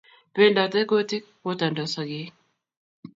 Bendotei kutik, botandos sogek